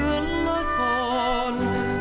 ถึงบดเมื่อตอนหลาน